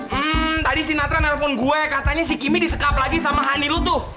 hmm tadi si natra nelfon gue katanya si kimi disekap lagi sama handi lu tuh